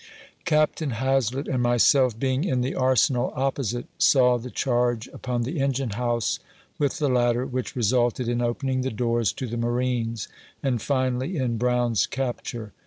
CAPTURE OF JOHN BROWN. 45 Captain Hazlett and myself being in the Arsenal opposite, saw the charge upon the engine house with the ladder, which resulted in opening the doors to the marines, and finally in Brown's capture.